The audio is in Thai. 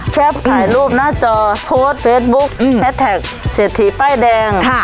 แช็ปถ่ายรูปหน้าจอโพสต์เฟสบุ๊คอืมแฮทแท็กเศรษฐีป้ายแดงค่ะ